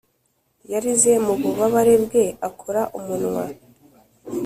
yarize mububabare bwe, akora umunwa,